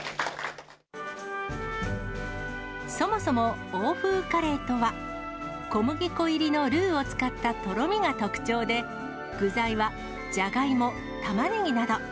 そもそも欧風カレーとは、小麦粉入りのルウを使ったとろみが特徴で、具材はじゃがいも、玉ねぎなど。